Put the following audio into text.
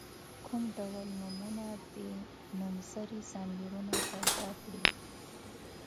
کوم ډول نومونه دي نومځري ضمیرونه پیداکړي.